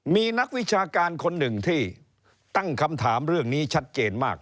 มีนักวิชาการคนหนึ่งที่ตั้งคำถามเรื่องนี้ชัดเจนมาก